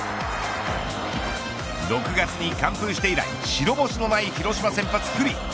６月に完封して以来白星のない広島先発、九里。